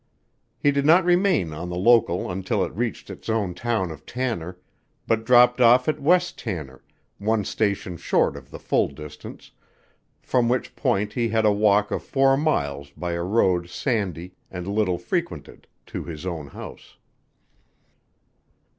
He did not remain on the local until it reached his own town of Tanner, but dropped off at West Tanner, one station short of the full distance, from which point he had a walk of four miles by a road sandy and little frequented, to his own house.